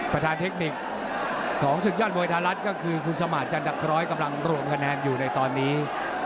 ประธานเทคนิคของศึกยอดมวยไทยรัฐก็คือคุณสมาธิจันดักร้อยกำลังรวมคะแนนอยู่ในตอนนี้